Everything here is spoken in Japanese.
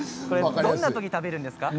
どんな時に食べるんですか？